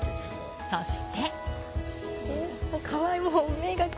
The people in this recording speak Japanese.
そして。